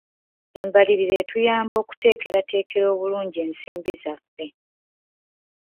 Embalirira etuyamba okuteekerateekera obulungi ensimbi zaffe.